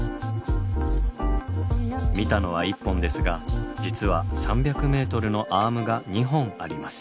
見たのは１本ですが実は３００ｍのアームが２本あります。